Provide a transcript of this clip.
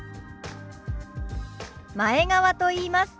前川と言います。